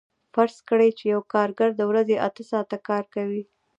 فرض کړئ چې یو کارګر د ورځې اته ساعته کار کوي